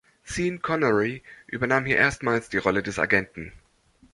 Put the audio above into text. Sean Connery übernahm hier erstmals die Rolle des Agenten.